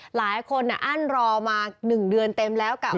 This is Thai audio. หลายคนอั้นรอมา๑เดือนเต็มแล้วกับ